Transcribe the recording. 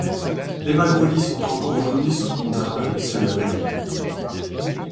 Les Malpolis sont encore aujourd'hui sous contrat avec ce label.